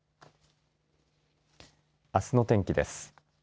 あすの天気です。